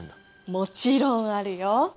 もちろんあるよ。